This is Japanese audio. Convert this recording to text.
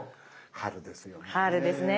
春ですよね。